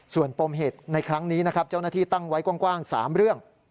ส่วนปมเหตุในครั้งนี้นะครับเจ้าหน้าที่ตั้งไว้กว้าง๓เรื่อง